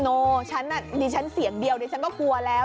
โอ้ดิฉันเสียงเดียวดิฉันก็กลัวแล้ว